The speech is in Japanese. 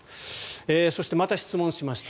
そして、また質問しました。